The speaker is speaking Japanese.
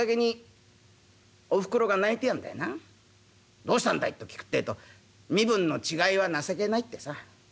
『どうしたんだい？』と聞くってえと『身分の違いは情けない』ってさ。